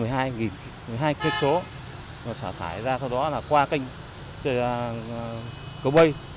công trình thủy lợi xả thải ra sau đó là qua kênh cầu bây